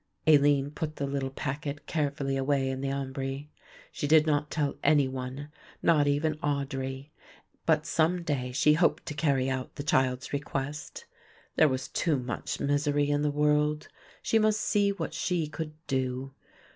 Aline put the little packet carefully away in the ambry. She did not tell any one, not even Audry, but some day she hoped to carry out the child's request. There was too much misery in the world, she must see what she could do.